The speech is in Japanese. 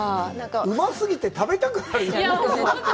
うますぎて、食べたくなるよね。